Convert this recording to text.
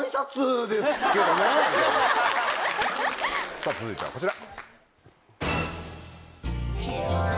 さぁ続いてはこちら！